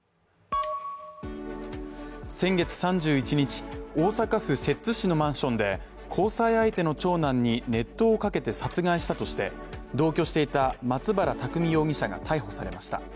先月３１日、大阪府摂津市のマンションで交際相手の長男に熱湯をかけて殺害したとして同居していた松原拓海容疑者が逮捕されました。